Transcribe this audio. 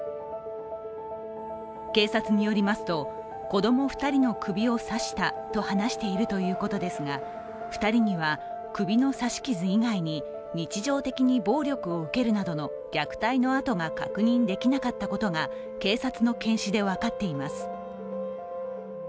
警察によりますと、子供２人の首を刺したと話しているということですが、２人には首の刺し傷以外に日常的に暴力を受けるなどの虐待の痕が確認できなかったことが警察の検視で分かっています。